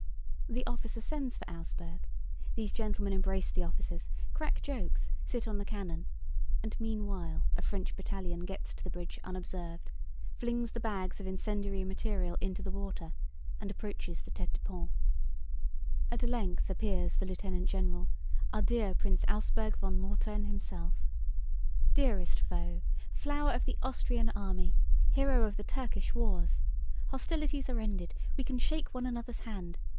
The officer sends for Auersperg; these gentlemen embrace the officers, crack jokes, sit on the cannon, and meanwhile a French battalion gets to the bridge unobserved, flings the bags of incendiary material into the water, and approaches the tête de pont. At length appears the lieutenant general, our dear Prince Auersperg von Mautern himself. 'Dearest foe! Flower of the Austrian army, hero of the Turkish wars! Hostilities are ended, we can shake one another's hand....